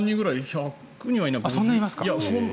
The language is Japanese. １００人はいないかな。